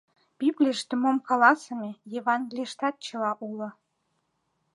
Библийыште мом каласыме, Евангелийыштат чыла уло.